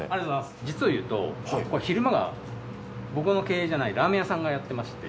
実を言うとここは昼間が僕の経営じゃないラーメン屋さんがやってまして。